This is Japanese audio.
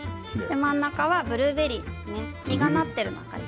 真ん中はブルーベリー。